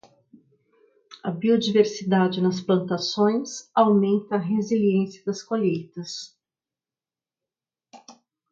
A biodiversidade nas plantações aumenta a resiliência das colheitas.